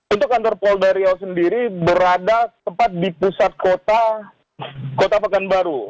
untuk kantor polda riau sendiri berada tepat di pusat kota pekanbaru